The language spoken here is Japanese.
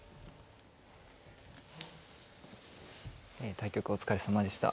対局お疲れさまでした。